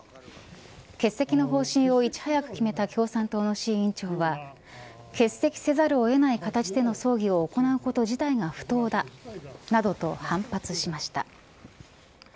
欠席の方針をいち早く決めた共産党の志位委員長は欠席せざるを得ない形での葬儀を行うこと自体が不当だなどと反発しました。